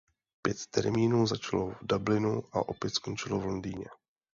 Pět termínů začalo v Dublinu a opět skončilo v Londýně.